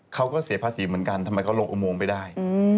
เขาก็เสียภาษีเหมือนกันทำไมเขาลงอุโมงไปได้